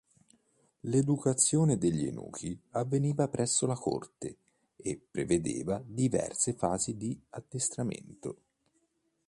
L'educazione degli eunuchi avveniva presso la Corte e prevedeva diverse fasi di addestramento.